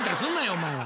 お前は。